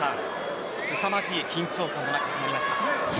すさまじい緊張感がはしりました。